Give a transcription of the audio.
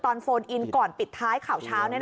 โฟนอินก่อนปิดท้ายข่าวเช้า